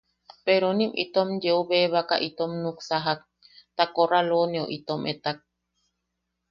Peronim itom yeu bebaka itom nuksakak, ta korraloneu itom etak.